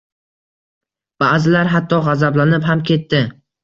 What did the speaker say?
Baʼzilar hatto gʻazablanib ham ketdi